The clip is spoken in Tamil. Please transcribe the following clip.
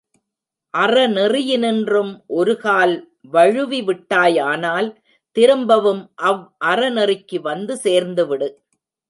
அறநெறியினின்றும் ஒருகால் வழுவி விட்டாயானால் திரும்பவும் அவ் அறநெறிக்கு வந்து சேர்ந்துவிடு.